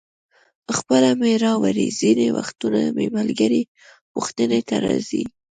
خپله مې راوړي، ځینې وختونه مې ملګري پوښتنې ته راځي.